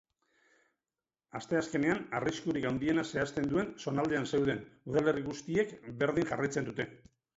Asteazkenean arriskurik handiena zehazten duen zonaldean zeuden udalerri guztiek berdin jarraitzen dute.